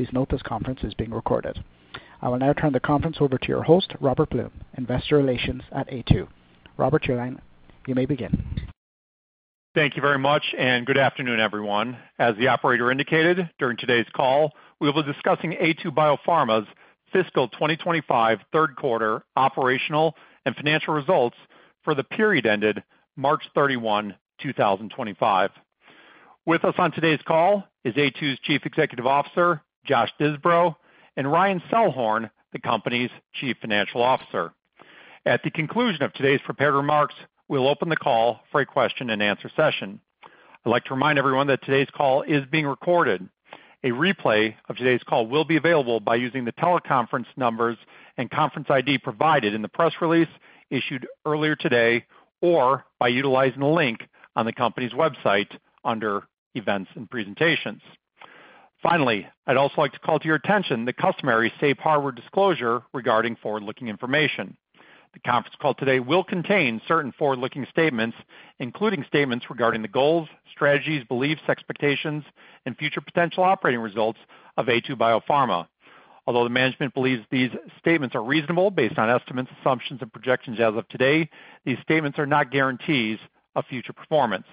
Please note this conference is being recorded. I will now turn the conference over to your host, Robert Blum, Investor Relations at Aytu. Robert, your line. You may begin. Thank you very much, and good afternoon, everyone. As the operator indicated during today's call, we will be discussing Aytu BioPharma's Fiscal 2025 Third Quarter Operational and Financial Results for the period ended March 31, 2025. With us on today's call is Aytu's Chief Executive Officer, Josh Disbrow, and Ryan Selhorn, the company's Chief Financial Officer. At the conclusion of today's prepared remarks, we'll open the call for a question-and-answer session. I'd like to remind everyone that today's call is being recorded. A replay of today's call will be available by using the teleconference numbers and conference ID provided in the press release issued earlier today, or by utilizing the link on the company's website under Events and Presentations. Finally, I'd also like to call to your attention the customary safe harbor disclosure regarding forward-looking information. The conference call today will contain certain forward-looking statements, including statements regarding the goals, strategies, beliefs, expectations, and future potential operating results of Aytu BioPharma. Although the management believes these statements are reasonable based on estimates, assumptions, and projections as of today, these statements are not guarantees of future performance.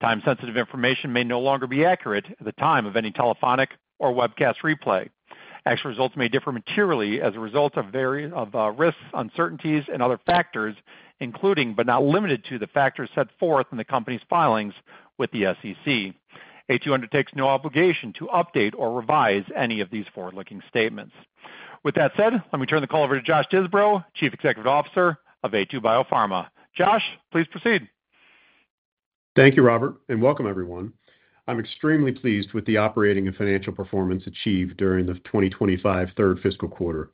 Time-sensitive information may no longer be accurate at the time of any telephonic or webcast replay. Actual results may differ materially as a result of risks, uncertainties, and other factors, including but not limited to the factors set forth in the company's filings with the SEC. Aytu undertakes no obligation to update or revise any of these forward-looking statements. With that said, let me turn the call over to Josh Disbrow, Chief Executive Officer of Aytu BioPharma. Josh, please proceed. Thank you, Robert, and welcome, everyone. I'm extremely pleased with the operating and financial performance achieved during the 2025 third fiscal quarter.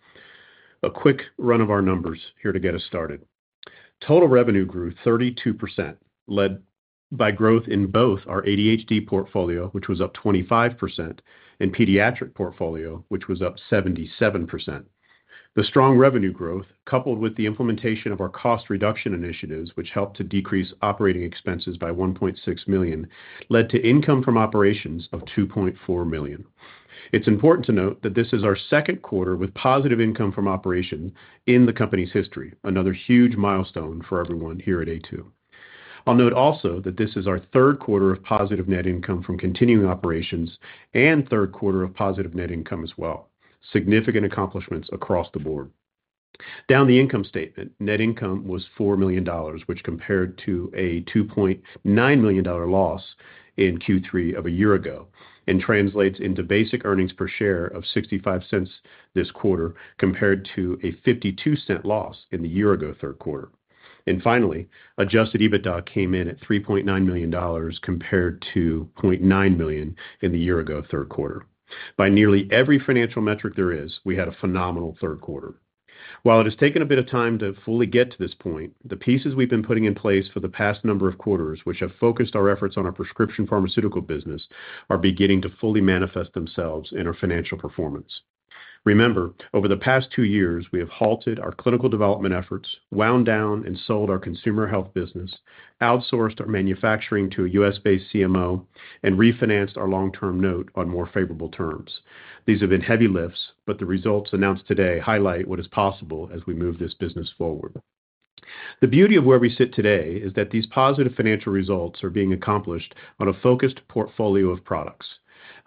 A quick run of our numbers here to get us started. Total revenue grew 32%, led by growth in both our ADHD portfolio, which was up 25%, and pediatric portfolio, which was up 77%. The strong revenue growth, coupled with the implementation of our cost reduction initiatives, which helped to decrease operating expenses by $1.6 million, led to income from operations of $2.4 million. It's important to note that this is our second quarter with positive income from operations in the company's history, another huge milestone for everyone here at Aytu. I'll note also that this is our third quarter of positive net income from continuing operations and third quarter of positive net income as well. Significant accomplishments across the board. Down the income statement, net income was $4 million, which compared to a $2.9 million loss in Q3 of a year ago, and translates into basic earnings per share of $0.65 this quarter, compared to a $0.52 loss in the year-ago third quarter. Finally, adjusted EBITDA came in at $3.9 million compared to $0.9 million in the year-ago third quarter. By nearly every financial metric there is, we had a phenomenal third quarter. While it has taken a bit of time to fully get to this point, the pieces we've been putting in place for the past number of quarters, which have focused our efforts on our prescription pharmaceutical business, are beginning to fully manifest themselves in our financial performance. Remember, over the past two years, we have halted our clinical development efforts, wound down and sold our consumer health business, outsourced our manufacturing to a U.S.-based CMO, and refinanced our long-term note on more favorable terms. These have been heavy lifts, but the results announced today highlight what is possible as we move this business forward. The beauty of where we sit today is that these positive financial results are being accomplished on a focused portfolio of products.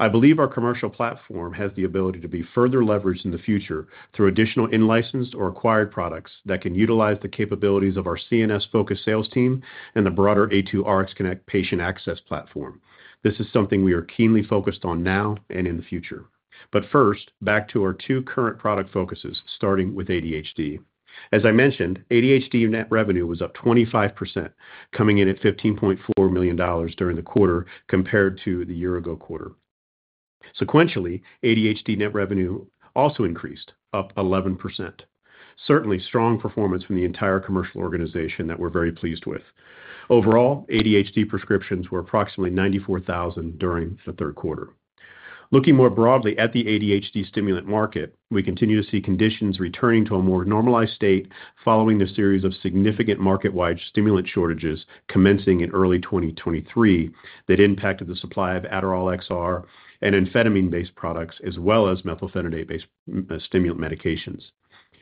I believe our commercial platform has the ability to be further leveraged in the future through additional in-licensed or acquired products that can utilize the capabilities of our CNS-focused sales team and the broader Aytu RxConnect patient access platform. This is something we are keenly focused on now and in the future. First, back to our two current product focuses, starting with ADHD. As I mentioned, ADHD net revenue was up 25%, coming in at $15.4 million during the quarter compared to the year-ago quarter. Sequentially, ADHD net revenue also increased, up 11%. Certainly, strong performance from the entire commercial organization that we're very pleased with. Overall, ADHD prescriptions were approximately 94,000 during the third quarter. Looking more broadly at the ADHD stimulant market, we continue to see conditions returning to a more normalized state following the series of significant market-wide stimulant shortages commencing in early 2023 that impacted the supply of Adderall XR and amphetamine-based products, as well as methylphenidate-based stimulant medications.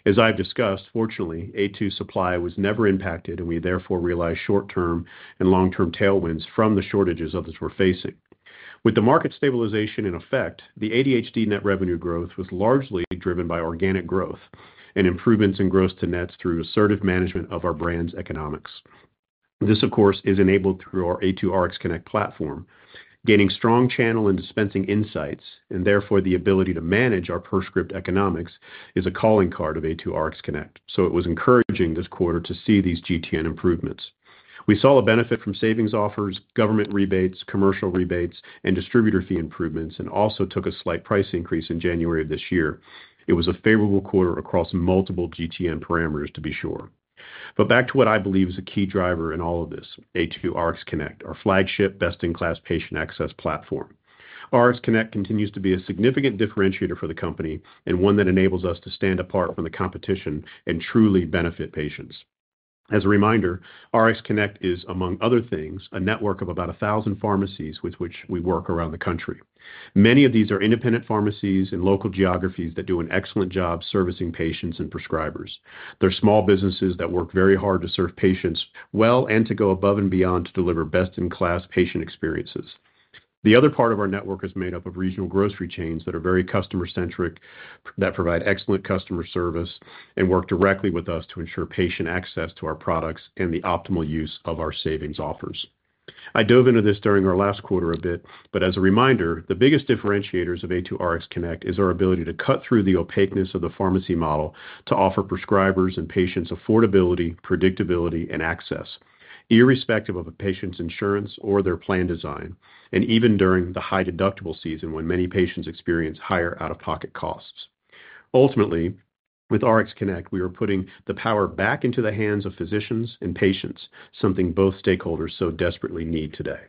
As I've discussed, fortunately, Aytu's supply was never impacted, and we therefore realized short-term and long-term tailwinds from the shortages others were facing. With the market stabilization in effect, the ADHD net revenue growth was largely driven by organic growth and improvements in gross to nets through assertive management of our brand's economics. This, of course, is enabled through our Aytu RxConnect platform. Gaining strong channel and dispensing insights, and therefore the ability to manage our prescript economics, is a calling card of Aytu RxConnect, so it was encouraging this quarter to see these GTN improvements. We saw a benefit from savings offers, government rebates, commercial rebates, and distributor fee improvements, and also took a slight price increase in January of this year. It was a favorable quarter across multiple GTN parameters, to be sure. Back to what I believe is a key driver in all of this, Aytu RxConnect, our flagship best-in-class patient access platform. RxConnect continues to be a significant differentiator for the company and one that enables us to stand apart from the competition and truly benefit patients. As a reminder, RxConnect is, among other things, a network of about 1,000 pharmacies with which we work around the country. Many of these are independent pharmacies in local geographies that do an excellent job servicing patients and prescribers. They're small businesses that work very hard to serve patients well and to go above and beyond to deliver best-in-class patient experiences. The other part of our network is made up of regional grocery chains that are very customer-centric, that provide excellent customer service, and work directly with us to ensure patient access to our products and the optimal use of our savings offers. I dove into this during our last quarter a bit, but as a reminder, the biggest differentiators of Aytu RxConnect is our ability to cut through the opaqueness of the pharmacy model to offer prescribers and patients affordability, predictability, and access, irrespective of a patient's insurance or their plan design, and even during the high deductible season when many patients experience higher out-of-pocket costs. Ultimately, with RxConnect, we are putting the power back into the hands of physicians and patients, something both stakeholders so desperately need today.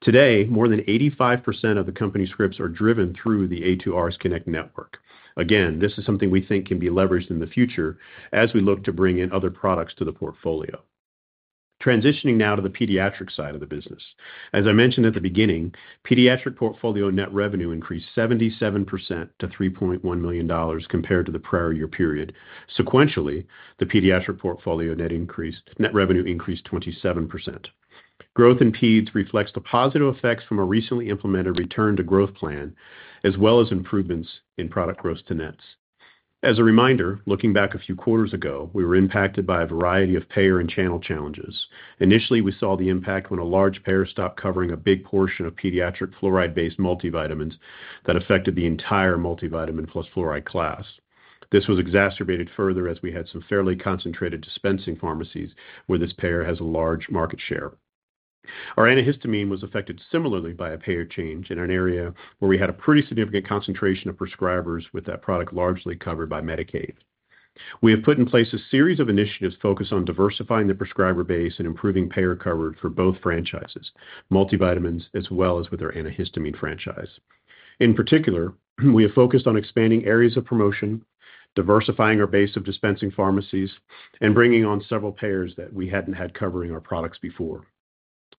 Today, more than 85% of the company's scripts are driven through the Aytu RxConnect network. Again, this is something we think can be leveraged in the future as we look to bring in other products to the portfolio. Transitioning now to the pediatric side of the business. As I mentioned at the beginning, pediatric portfolio net revenue increased 77% to $3.1 million compared to the prior year period. Sequentially, the pediatric portfolio net revenue increased 27%. Growth in PEDs reflects the positive effects from a recently implemented return-to-growth plan, as well as improvements in product gross to nets. As a reminder, looking back a few quarters ago, we were impacted by a variety of payer and channel challenges. Initially, we saw the impact when a large payer stopped covering a big portion of pediatric fluoride-based multivitamins that affected the entire multivitamin plus fluoride class. This was exacerbated further as we had some fairly concentrated dispensing pharmacies where this payer has a large market share. Our antihistamine was affected similarly by a payer change in an area where we had a pretty significant concentration of prescribers with that product largely covered by Medicaid. We have put in place a series of initiatives focused on diversifying the prescriber base and improving payer coverage for both franchises, multivitamins, as well as with our antihistamine franchise. In particular, we have focused on expanding areas of promotion, diversifying our base of dispensing pharmacies, and bringing on several payers that we hadn't had covering our products before.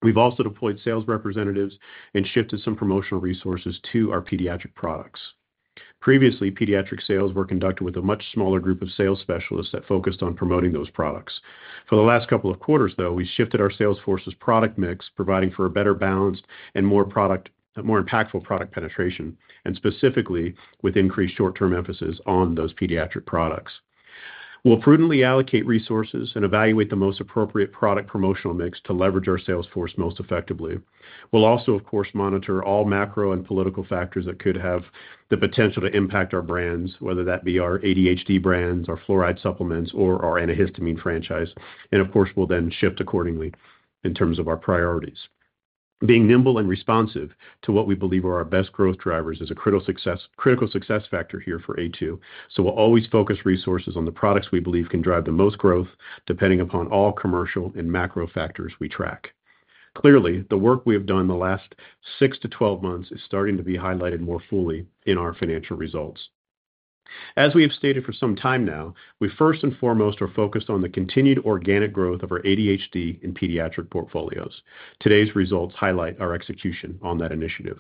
We've also deployed sales representatives and shifted some promotional resources to our pediatric products. Previously, pediatric sales were conducted with a much smaller group of sales specialists that focused on promoting those products. For the last couple of quarters, though, we shifted our sales force's product mix, providing for a better balanced and more impactful product penetration, and specifically with increased short-term emphasis on those pediatric products. We'll prudently allocate resources and evaluate the most appropriate product promotional mix to leverage our sales force most effectively. We'll also, of course, monitor all macro and political factors that could have the potential to impact our brands, whether that be our ADHD brands, our fluoride supplements, or our antihistamine franchise. Of course, we'll then shift accordingly in terms of our priorities. Being nimble and responsive to what we believe are our best growth drivers is a critical success factor here for Aytu, so we'll always focus resources on the products we believe can drive the most growth, depending upon all commercial and macro factors we track. Clearly, the work we have done the last 6-12 months is starting to be highlighted more fully in our financial results. As we have stated for some time now, we first and foremost are focused on the continued organic growth of our ADHD and pediatric portfolios. Today's results highlight our execution on that initiative.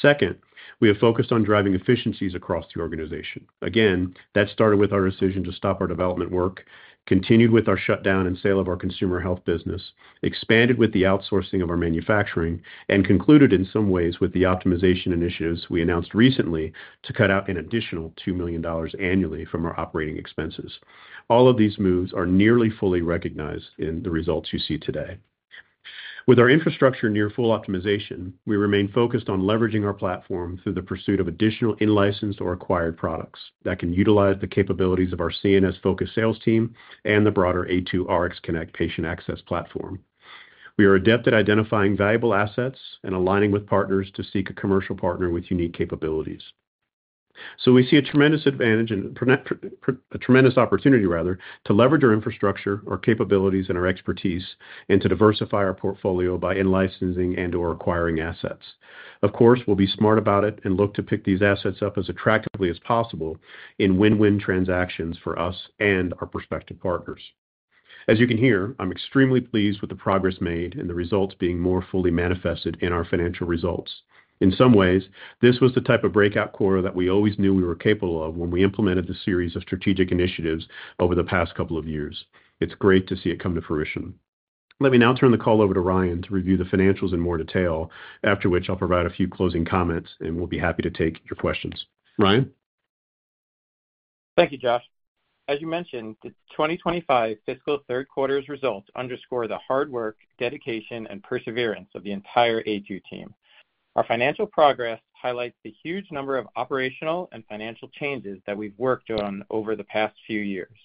Second, we have focused on driving efficiencies across the organization. Again, that started with our decision to stop our development work, continued with our shutdown and sale of our consumer health business, expanded with the outsourcing of our manufacturing, and concluded in some ways with the optimization initiatives we announced recently to cut out an additional $2 million annually from our operating expenses. All of these moves are nearly fully recognized in the results you see today. With our infrastructure near full optimization, we remain focused on leveraging our platform through the pursuit of additional in-licensed or acquired products that can utilize the capabilities of our CNS-focused sales team and the broader Aytu RxConnect patient access platform. We are adept at identifying valuable assets and aligning with partners to seek a commercial partner with unique capabilities. We see a tremendous opportunity, rather, to leverage our infrastructure, our capabilities, and our expertise and to diversify our portfolio by in-licensing and/or acquiring assets. Of course, we'll be smart about it and look to pick these assets up as attractively as possible in win-win transactions for us and our prospective partners. As you can hear, I'm extremely pleased with the progress made and the results being more fully manifested in our financial results. In some ways, this was the type of breakout quarter that we always knew we were capable of when we implemented the series of strategic initiatives over the past couple of years. It's great to see it come to fruition. Let me now turn the call over to Ryan to review the financials in more detail, after which I'll provide a few closing comments, and we'll be happy to take your questions. Ryan? Thank you, Josh. As you mentioned, the 2025 fiscal third quarter's results underscore the hard work, dedication, and perseverance of the entire Aytu team. Our financial progress highlights the huge number of operational and financial changes that we've worked on over the past few years.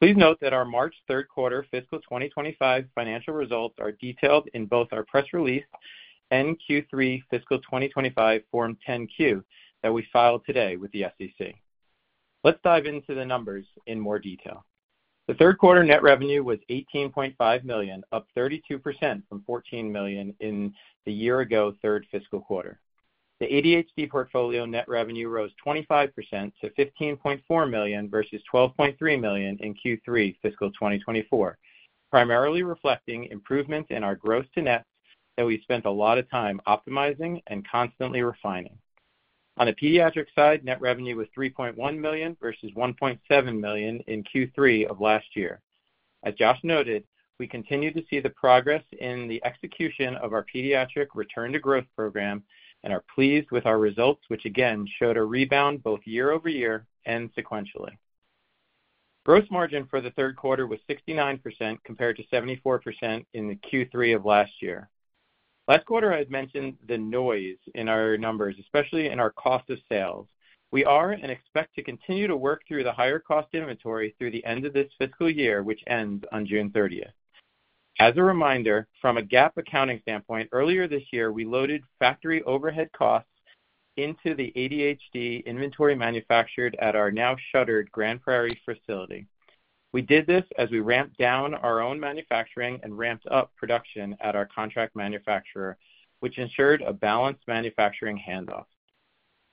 Please note that our March third quarter fiscal 2025 financial results are detailed in both our press release and Q3 fiscal 2025 Form 10-Q that we filed today with the SEC. Let's dive into the numbers in more detail. The third quarter net revenue was $18.5 million, up 32% from $14 million in the year-ago third fiscal quarter. The ADHD portfolio net revenue rose 25% to $15.4 million versus $12.3 million in Q3 fiscal 2024, primarily reflecting improvements in our gross to nets that we spent a lot of time optimizing and constantly refining. On the pediatric side, net revenue was $3.1 million versus $1.7 million in Q3 of last year. As Josh noted, we continue to see the progress in the execution of our pediatric return-to-growth program and are pleased with our results, which again showed a rebound both year-over-year and sequentially. Gross margin for the third quarter was 69% compared to 74% in Q3 of last year. Last quarter, I had mentioned the noise in our numbers, especially in our cost of sales. We are and expect to continue to work through the higher cost inventory through the end of this fiscal year, which ends on June 30th. As a reminder, from a GAAP accounting standpoint, earlier this year, we loaded factory overhead costs into the ADHD inventory manufactured at our now-shuttered Grand Prairie facility. We did this as we ramped down our own manufacturing and ramped up production at our contract manufacturer, which ensured a balanced manufacturing handoff.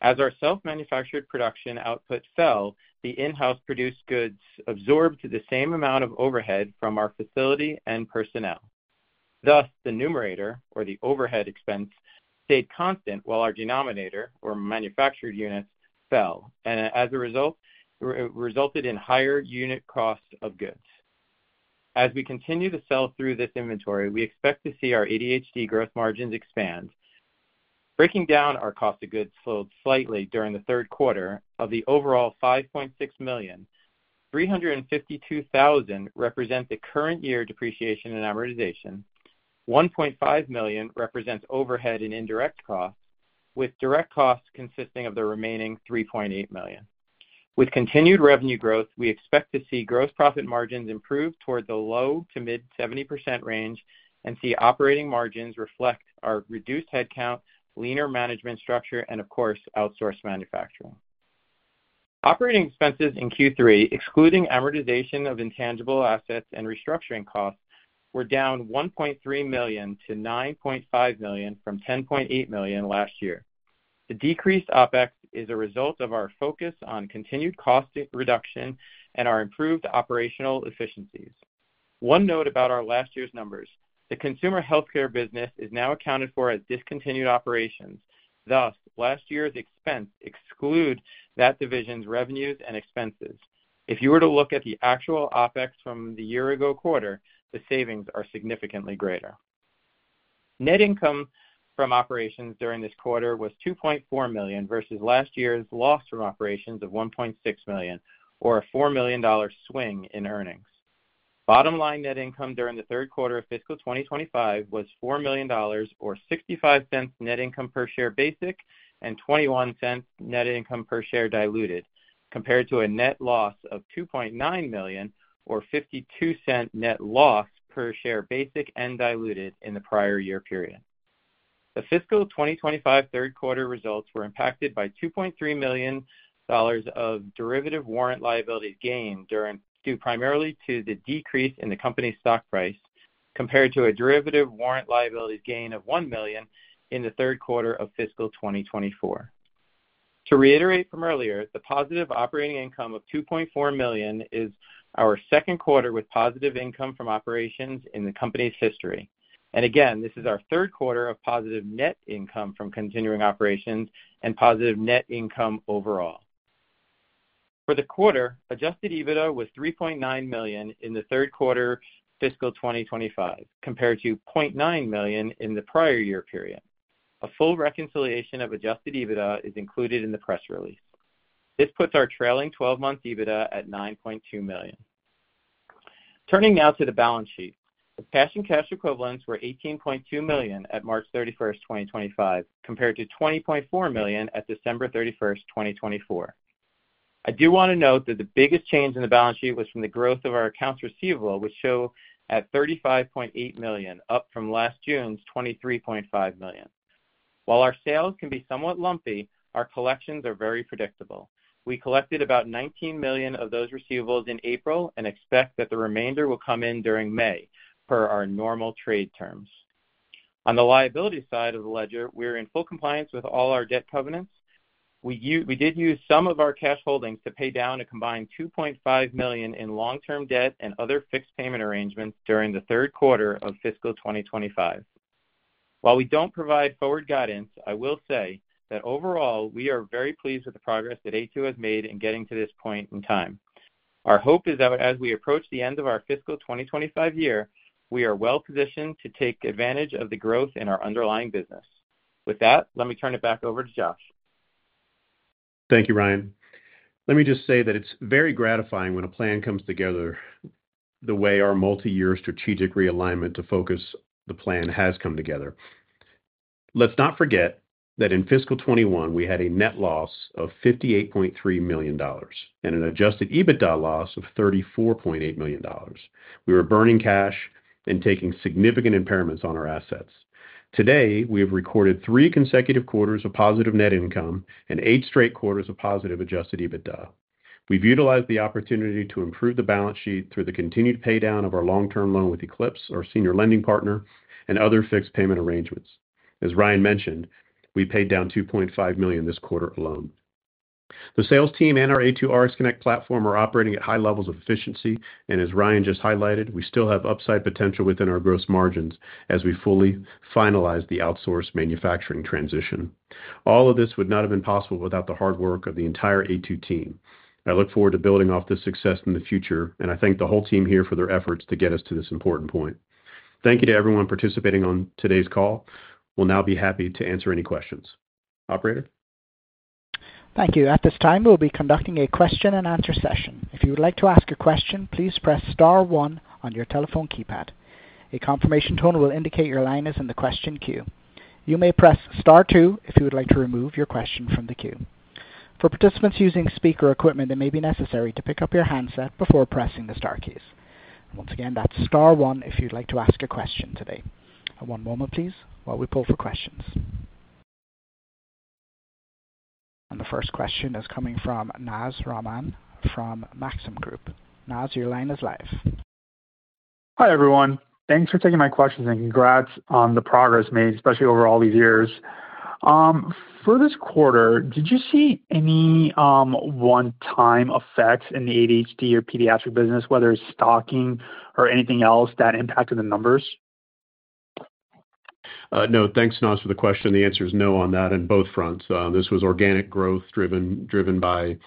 As our self-manufactured production output fell, the in-house produced goods absorbed the same amount of overhead from our facility and personnel. Thus, the numerator, or the overhead expense, stayed constant while our denominator, or manufactured units, fell, and as a result, resulted in higher unit costs of goods. As we continue to sell through this inventory, we expect to see our ADHD growth margins expand. Breaking down our cost of goods slowed slightly during the third quarter of the overall $5.6 million. $352,000 represents the current year depreciation and amortization. $1.5 million represents overhead and indirect costs, with direct costs consisting of the remaining $3.8 million. With continued revenue growth, we expect to see gross profit margins improve toward the low to mid-70% range and see operating margins reflect our reduced headcount, leaner management structure, and, of course, outsourced manufacturing. Operating expenses in Q3, excluding amortization of intangible assets and restructuring costs, were down $1.3 million-$9.5 million from $10.8 million last year. The decreased OpEx is a result of our focus on continued cost reduction and our improved operational efficiencies. One note about our last year's numbers: the consumer healthcare business is now accounted for as discontinued operations. Thus, last year's expense excludes that division's revenues and expenses. If you were to look at the actual OpEx from the year-ago quarter, the savings are significantly greater. Net income from operations during this quarter was $2.4 million versus last year's loss from operations of $1.6 million, or a $4 million swing in earnings. Bottom line net income during the third quarter of fiscal 2025 was $4 million, or $0.65 net income per share basic and $0.21 net income per share diluted, compared to a net loss of $2.9 million, or $0.52 net loss per share basic and diluted in the prior year period. The fiscal 2025 third quarter results were impacted by $2.3 million of derivative warrant liabilities gain due primarily to the decrease in the company's stock price compared to a derivative warrant liabilities gain of $1 million in the third quarter of fiscal 2024. To reiterate from earlier, the positive operating income of $2.4 million is our second quarter with positive income from operations in the company's history. This is our third quarter of positive net income from continuing operations and positive net income overall. For the quarter, adjusted EBITDA was $3.9 million in the third quarter fiscal 2025, compared to $0.9 million in the prior year period. A full reconciliation of adjusted EBITDA is included in the press release. This puts our trailing 12-month EBITDA at $9.2 million. Turning now to the balance sheet, the cash and cash equivalents were $18.2 million at March 31st 2025, compared to $20.4 million at December 31st 2024. I do want to note that the biggest change in the balance sheet was from the growth of our accounts receivable, which show at $35.8 million, up from last June's $23.5 million. While our sales can be somewhat lumpy, our collections are very predictable. We collected about $19 million of those receivables in April and expect that the remainder will come in during May, per our normal trade terms. On the liability side of the ledger, we're in full compliance with all our debt covenants. We did use some of our cash holdings to pay down a combined $2.5 million in long-term debt and other fixed payment arrangements during the third quarter of fiscal 2025. While we don't provide forward guidance, I will say that overall, we are very pleased with the progress that Aytu has made in getting to this point in time. Our hope is that as we approach the end of our fiscal 2025 year, we are well-positioned to take advantage of the growth in our underlying business. With that, let me turn it back over to Josh. Thank you, Ryan. Let me just say that it's very gratifying when a plan comes together the way our multi-year strategic realignment to focus the plan has come together. Let's not forget that in fiscal 2021, we had a net loss of $58.3 million and an adjusted EBITDA loss of $34.8 million. We were burning cash and taking significant impairments on our assets. Today, we have recorded three consecutive quarters of positive net income and eight straight quarters of positive adjusted EBITDA. We've utilized the opportunity to improve the balance sheet through the continued paydown of our long-term loan with Eclipse, our senior lending partner, and other fixed payment arrangements. As Ryan mentioned, we paid down $2.5 million this quarter alone. The sales team and our Aytu RxConnect platform are operating at high levels of efficiency, and as Ryan just highlighted, we still have upside potential within our gross margins as we fully finalize the outsourced manufacturing transition. All of this would not have been possible without the hard work of the entire Aytu team. I look forward to building off this success in the future, and I thank the whole team here for their efforts to get us to this important point. Thank you to everyone participating on today's call. We'll now be happy to answer any questions. Operator? Thank you. At this time, we'll be conducting a question-and-answer session. If you would like to ask a question, please press Star one on your telephone keypad. A confirmation tone will indicate your line is in the question queue. You may press Star two if you would like to remove your question from the queue. For participants using speaker equipment, it may be necessary to pick up your handset before pressing the Star keys. Once again, that's Star one if you'd like to ask a question today. One moment, please, while we pull for questions. The first question is coming from Naz Rahman from Maxim Group. Naz, your line is live. Hi everyone. Thanks for taking my questions and congrats on the progress made, especially over all these years. For this quarter, did you see any one-time effects in the ADHD or pediatric business, whether it's stocking or anything else, that impacted the numbers? No, thanks, Naz, for the question. The answer is no on that on both fronts. This was organic growth driven by,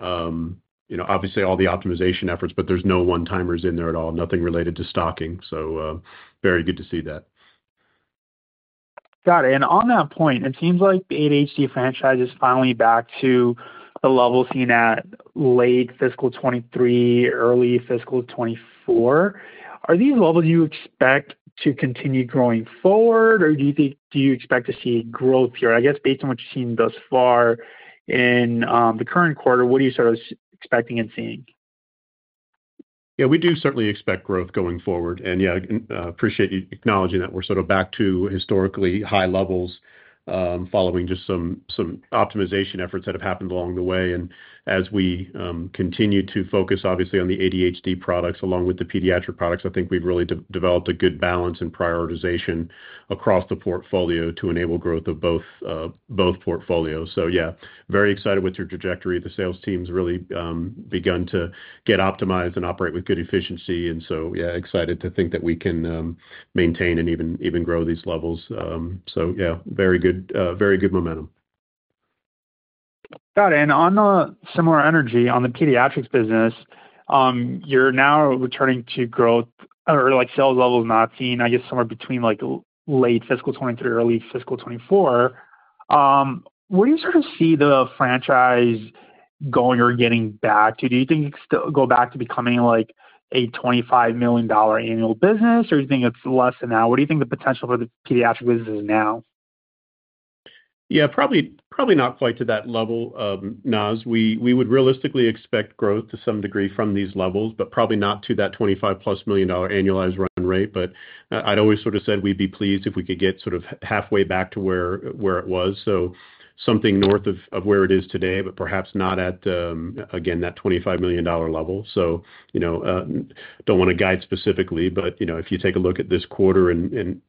obviously, all the optimization efforts, but there's no one-timers in there at all, nothing related to stocking. So very good to see that. Got it. On that point, it seems like the ADHD franchise is finally back to the level seen at late fiscal 2023, early fiscal 2024. Are these levels you expect to continue growing forward, or do you expect to see growth here? I guess based on what you've seen thus far in the current quarter, what are you sort of expecting and seeing? Yeah, we do certainly expect growth going forward. Yeah, I appreciate you acknowledging that we're sort of back to historically high levels following just some optimization efforts that have happened along the way. As we continue to focus, obviously, on the ADHD products along with the pediatric products, I think we've really developed a good balance and prioritization across the portfolio to enable growth of both portfolios. Yeah, very excited with your trajectory. The sales team's really begun to get optimized and operate with good efficiency. Yeah, excited to think that we can maintain and even grow these levels. Yeah, very good momentum. Got it. On a similar energy, on the pediatrics business, you're now returning to growth or sales levels not seen, I guess, somewhere between late fiscal 2023, early fiscal 2024. Where do you sort of see the franchise going or getting back to? Do you think it's going back to becoming a $25 million annual business, or do you think it's less than that? What do you think the potential for the pediatric business is now? Yeah, probably not quite to that level, Naz. We would realistically expect growth to some degree from these levels, but probably not to that $25+ million annualized run rate. I'd always sort of said we'd be pleased if we could get sort of halfway back to where it was, so something north of where it is today, but perhaps not at, again, that $25 million level. I don't want to guide specifically, but if you take a look at this quarter and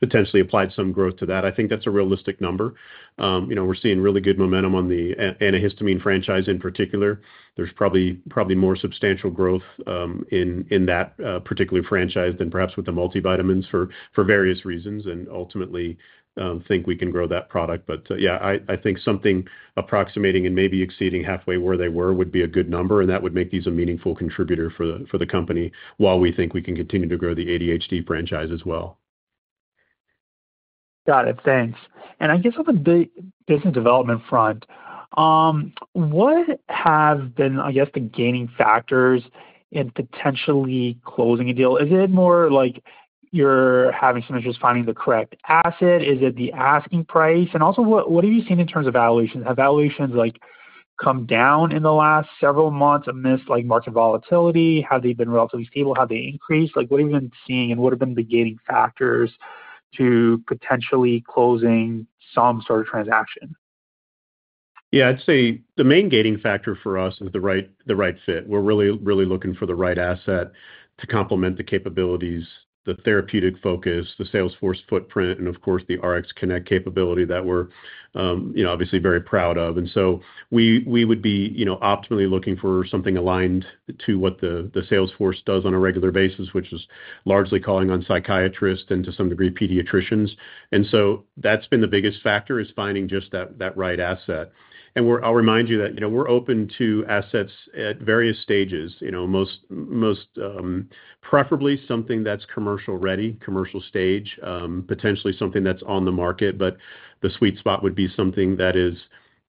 potentially apply some growth to that, I think that's a realistic number. We're seeing really good momentum on the antihistamine franchise in particular. There's probably more substantial growth in that particular franchise than perhaps with the multivitamins for various reasons, and ultimately think we can grow that product. Yeah, I think something approximating and maybe exceeding halfway where they were would be a good number, and that would make these a meaningful contributor for the company while we think we can continue to grow the ADHD franchise as well. Got it. Thanks. I guess on the business development front, what have been, I guess, the gating factors in potentially closing a deal? Is it more like you're having some issues finding the correct asset? Is it the asking price? Also, what have you seen in terms of valuations? Have valuations come down in the last several months amidst market volatility? Have they been relatively stable? Have they increased? What have you been seeing, and what have been the gating factors to potentially closing some sort of transaction? Yeah, I'd say the main gating factor for us is the right fit. We're really looking for the right asset to complement the capabilities, the therapeutic focus, the Salesforce footprint, and of course, the RxConnect capability that we're obviously very proud of. We would be optimally looking for something aligned to what the Salesforce does on a regular basis, which is largely calling on psychiatrists and to some degree pediatricians. That's been the biggest factor, is finding just that right asset. I'll remind you that we're open to assets at various stages, most preferably something that's commercial-ready, commercial stage, potentially something that's on the market. The sweet spot would be something that is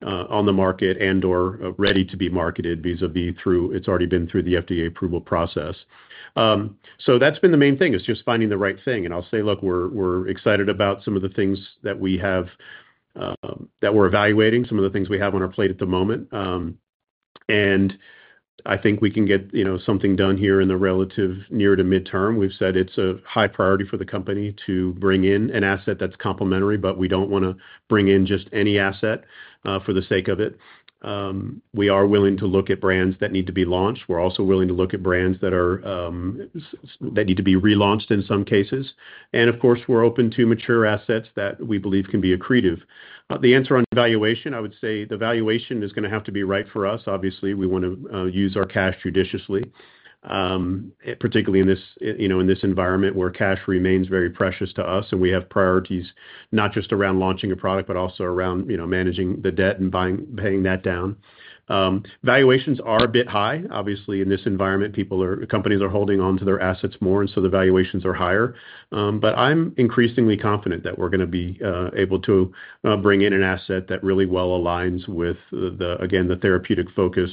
on the market and/or ready to be marketed vis-à-vis through it's already been through the FDA approval process. That's been the main thing, is just finding the right thing. I'll say, look, we're excited about some of the things that we have that we're evaluating, some of the things we have on our plate at the moment. I think we can get something done here in the relative near to midterm. We've said it's a high priority for the company to bring in an asset that's complementary, but we don't want to bring in just any asset for the sake of it. We are willing to look at brands that need to be launched. We're also willing to look at brands that need to be relaunched in some cases. Of course, we're open to mature assets that we believe can be accretive. The answer on valuation, I would say the valuation is going to have to be right for us. Obviously, we want to use our cash judiciously, particularly in this environment where cash remains very precious to us, and we have priorities not just around launching a product, but also around managing the debt and paying that down. Valuations are a bit high. Obviously, in this environment, companies are holding on to their assets more, and so the valuations are higher. I'm increasingly confident that we're going to be able to bring in an asset that really well aligns with, again, the therapeutic focus,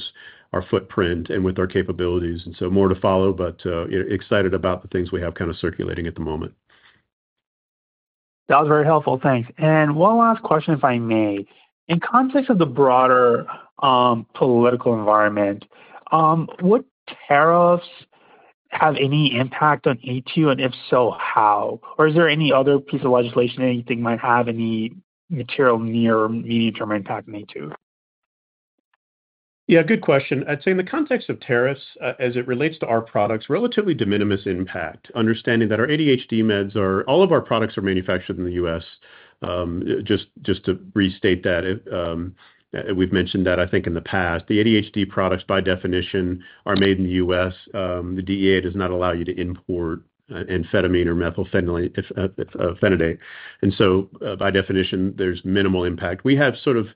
our footprint, and with our capabilities. More to follow, but excited about the things we have kind of circulating at the moment. That was very helpful. Thanks. One last question, if I may. In context of the broader political environment, would tariffs have any impact on Aytu, and if so, how? Is there any other piece of legislation that you think might have any material near or medium-term impact on Aytu? Yeah, good question. I'd say in the context of tariffs, as it relates to our products, relatively de minimis impact, understanding that our ADHD meds are all of our products are manufactured in the U.S. Just to restate that, we've mentioned that, I think, in the past. The ADHD products, by definition, are made in the U.S. The DEA does not allow you to import amphetamine or methylphenidate. By definition, there's minimal impact. We have sort of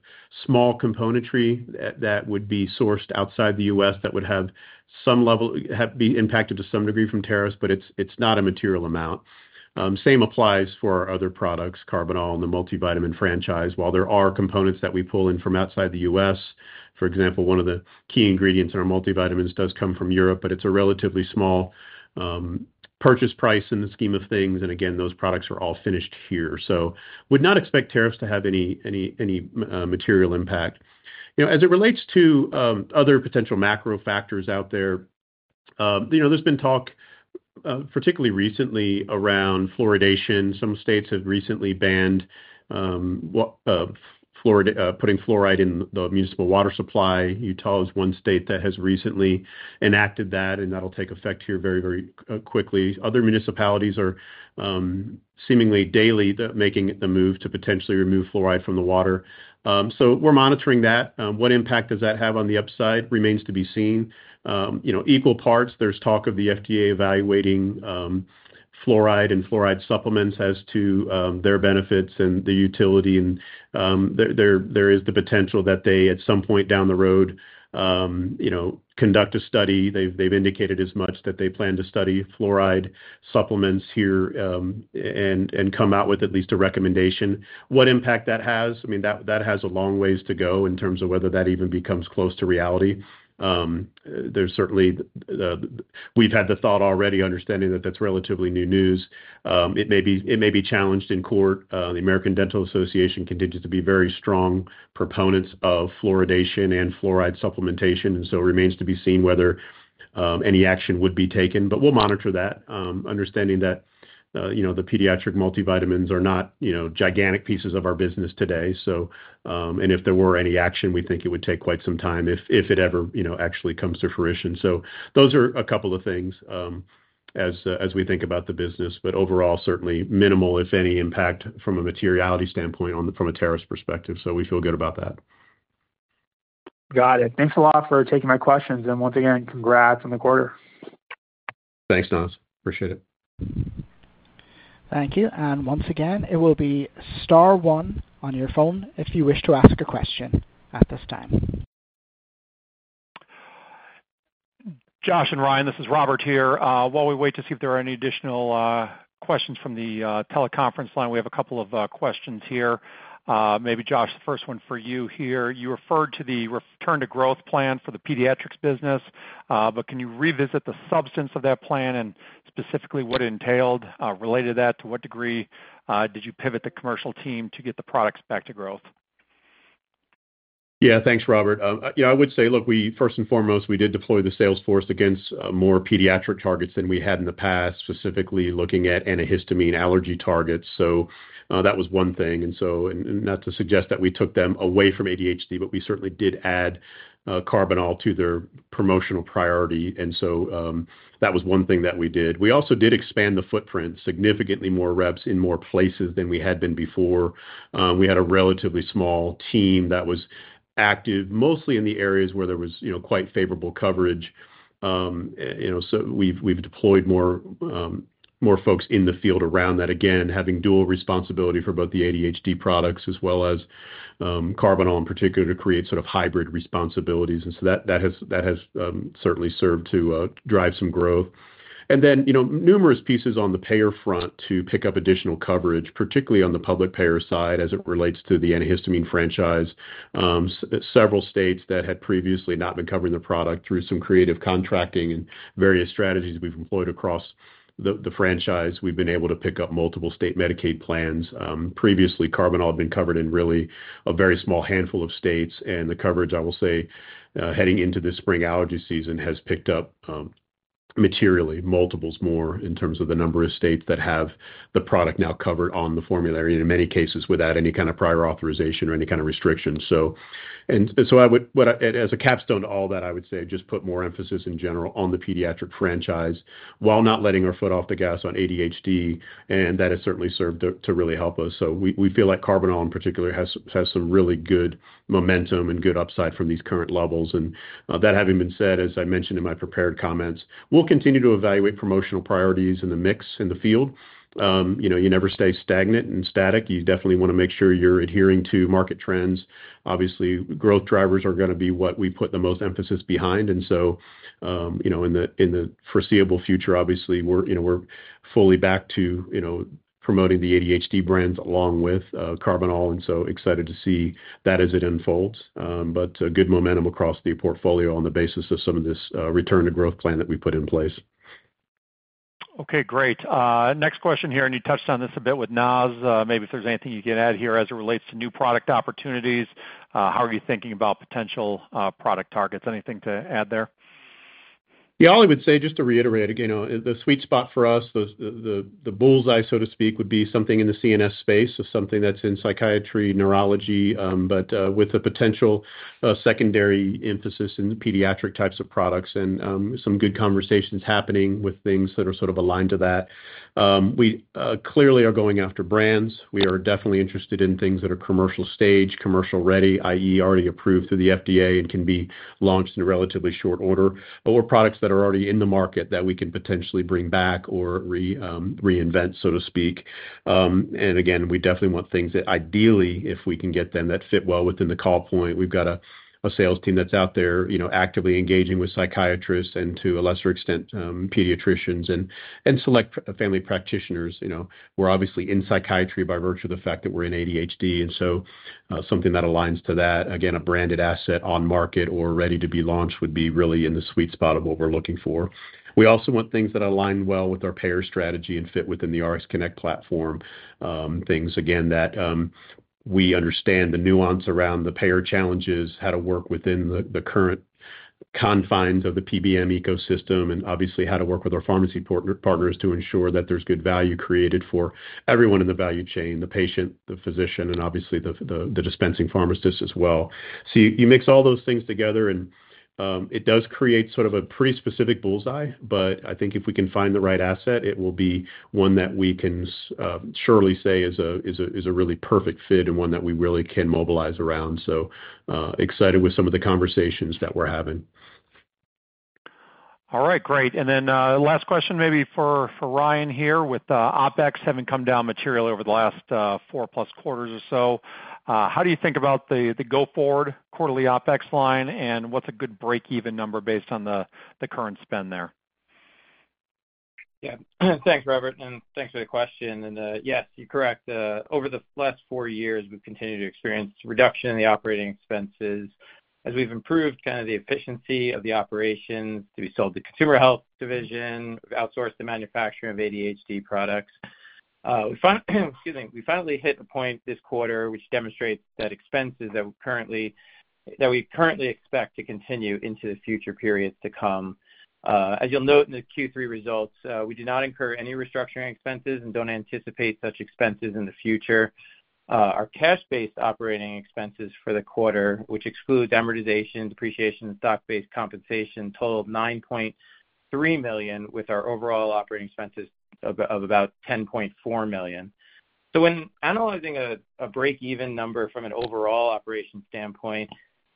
small componentry that would be sourced outside the U.S. that would have some level be impacted to some degree from tariffs, but it's not a material amount. Same applies for our other products, Karbinal and the multivitamin franchise. While there are components that we pull in from outside the U.S., for example, one of the key ingredients in our multivitamins does come from Europe, but it is a relatively small purchase price in the scheme of things. Again, those products are all finished here. Would not expect tariffs to have any material impact. As it relates to other potential macro factors out there, there has been talk particularly recently around fluoridation. Some states have recently banned putting fluoride in the municipal water supply. Utah is one state that has recently enacted that, and that will take effect here very, very quickly. Other municipalities are seemingly daily making the move to potentially remove fluoride from the water. We are monitoring that. What impact that has on the upside remains to be seen. Equal parts, there's talk of the FDA evaluating fluoride and fluoride supplements as to their benefits and the utility. There is the potential that they, at some point down the road, conduct a study. They've indicated as much that they plan to study fluoride supplements here and come out with at least a recommendation. What impact that has? I mean, that has a long ways to go in terms of whether that even becomes close to reality. Certainly we've had the thought already, understanding that that's relatively new news. It may be challenged in court. The American Dental Association continues to be very strong proponents of fluoridation and fluoride supplementation. It remains to be seen whether any action would be taken. We'll monitor that, understanding that the pediatric multivitamins are not gigantic pieces of our business today. If there were any action, we think it would take quite some time if it ever actually comes to fruition. Those are a couple of things as we think about the business. Overall, certainly minimal, if any, impact from a materiality standpoint from a tariff perspective. We feel good about that. Got it. Thanks a lot for taking my questions. Once again, congrats on the quarter. Thanks, Naz. Appreciate it. Thank you. Once again, it will be Star one on your phone if you wish to ask a question at this time. Josh and Ryan, this is Robert here. While we wait to see if there are any additional questions from the teleconference line, we have a couple of questions here. Maybe, Josh, the first one for you here. You referred to the return-to-growth plan for the pediatrics business, but can you revisit the substance of that plan and specifically what it entailed? Related to that, to what degree did you pivot the commercial team to get the products back to growth? Yeah, thanks, Robert. Yeah, I would say, look, first and foremost, we did deploy the Salesforce against more pediatric targets than we had in the past, specifically looking at antihistamine allergy targets. That was one thing. Not to suggest that we took them away from ADHD, but we certainly did add Karbinal to their promotional priority. That was one thing that we did. We also did expand the footprint, significantly more reps in more places than we had been before. We had a relatively small team that was active mostly in the areas where there was quite favorable coverage. We have deployed more folks in the field around that, again, having dual responsibility for both the ADHD products as well as Karbinal in particular to create sort of hybrid responsibilities. That has certainly served to drive some growth. Numerous pieces on the payer front to pick up additional coverage, particularly on the public payer side as it relates to the antihistamine franchise. Several states that had previously not been covering the product, through some creative contracting and various strategies we've employed across the franchise, we've been able to pick up multiple state Medicaid plans. Previously, Karbinal had been covered in really a very small handful of states. The coverage, I will say, heading into this spring allergy season has picked up materially, multiples more in terms of the number of states that have the product now covered on the formulary, in many cases without any kind of prior authorization or any kind of restriction. As a capstone to all that, I would say just put more emphasis in general on the pediatric franchise while not letting our foot off the gas on ADHD. That has certainly served to really help us. We feel like Karbinal in particular has some really good momentum and good upside from these current levels. That having been said, as I mentioned in my prepared comments, we'll continue to evaluate promotional priorities in the mix in the field. You never stay stagnant and static. You definitely want to make sure you're adhering to market trends. Obviously, growth drivers are going to be what we put the most emphasis behind. In the foreseeable future, we're fully back to promoting the ADHD brands along with Karbinal. Excited to see that as it unfolds. Good momentum across the portfolio on the basis of some of this return-to-growth plan that we put in place. Okay, great. Next question here, and you touched on this a bit with Naz. Maybe if there's anything you can add here as it relates to new product opportunities, how are you thinking about potential product targets? Anything to add there? Yeah, all I would say, just to reiterate, the sweet spot for us, the bullseye, so to speak, would be something in the CNS space, so something that's in psychiatry, neurology, but with a potential secondary emphasis in the pediatric types of products and some good conversations happening with things that are sort of aligned to that. We clearly are going after brands. We are definitely interested in things that are commercial stage, commercial-ready, i.e., already approved through the FDA and can be launched in a relatively short order, or products that are already in the market that we can potentially bring back or reinvent, so to speak. Again, we definitely want things that ideally, if we can get them that fit well within the call point. We've got a sales team that's out there actively engaging with psychiatrists and, to a lesser extent, pediatricians and select family practitioners. We're obviously in psychiatry by virtue of the fact that we're in ADHD. Something that aligns to that, again, a branded asset on market or ready to be launched would be really in the sweet spot of what we're looking for. We also want things that align well with our payer strategy and fit within the RxConnect platform, things, again, that we understand the nuance around the payer challenges, how to work within the current confines of the PBM ecosystem, and obviously how to work with our pharmacy partners to ensure that there's good value created for everyone in the value chain, the patient, the physician, and obviously the dispensing pharmacist as well. You mix all those things together, and it does create sort of a pretty specific bullseye. I think if we can find the right asset, it will be one that we can surely say is a really perfect fit and one that we really can mobilize around. So excited with some of the conversations that we're having. All right, great. Last question maybe for Ryan here. With OpEx having come down materially over the last four-plus quarters or so, how do you think about the go-forward quarterly OpEx line and what's a good break-even number based on the current spend there? Yeah. Thanks, Robert. Thanks for the question. Yes, you're correct. Over the last four years, we've continued to experience reduction in the operating expenses as we've improved kind of the efficiency of the operations to be sold to consumer health division. We've outsourced the manufacturing of ADHD products. Excuse me. We finally hit a point this quarter which demonstrates that expenses that we currently expect to continue into the future periods to come. As you'll note in the Q3 results, we do not incur any restructuring expenses and don't anticipate such expenses in the future. Our cash-based operating expenses for the quarter, which excludes amortization, depreciation, and stock-based compensation, totaled $9.3 million with our overall operating expenses of about $10.4 million. When analyzing a break-even number from an overall operation standpoint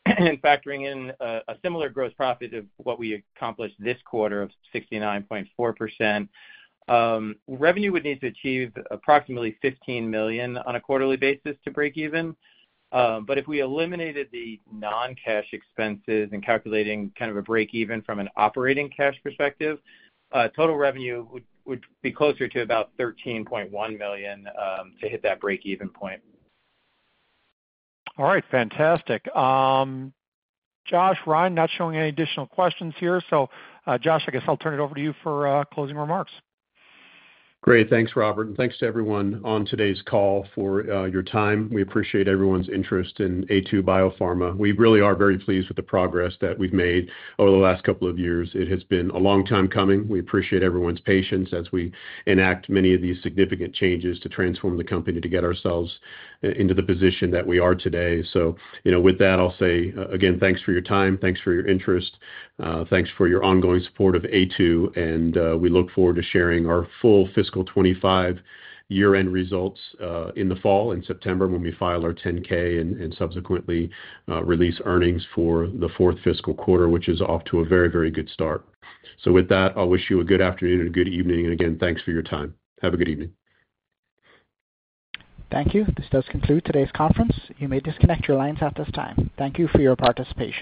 and factoring in a similar gross profit of what we accomplished this quarter of 69.4%, revenue would need to achieve approximately $15 million on a quarterly basis to break even. If we eliminated the non-cash expenses and calculating kind of a break-even from an operating cash perspective, total revenue would be closer to about $13.1 million to hit that break-even point. All right, fantastic. Josh, Ryan, not showing any additional questions here. So Josh, I guess I'll turn it over to you for closing remarks. Great. Thanks, Robert. Thanks to everyone on today's call for your time. We appreciate everyone's interest in Aytu BioPharma. We really are very pleased with the progress that we've made over the last couple of years. It has been a long time coming. We appreciate everyone's patience as we enact many of these significant changes to transform the company to get ourselves into the position that we are today. With that, I'll say, again, thanks for your time. Thanks for your interest. Thanks for your ongoing support of Aytu. We look forward to sharing our full fiscal 2025 year-end results in the fall in September when we file our 10-K and subsequently release earnings for the fourth fiscal quarter, which is off to a very, very good start. With that, I'll wish you a good afternoon and a good evening. Again, thanks for your time. Have a good evening. Thank you. This does conclude today's conference. You may disconnect your lines at this time. Thank you for your participation.